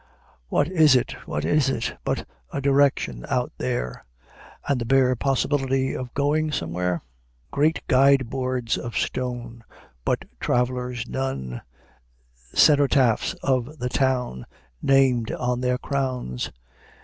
What is it, what is it, But a direction out there, And the bare possibility Of going somewhere? Great guideboards of stone, But travelers none; Cenotaphs of the towns Named on their crowns.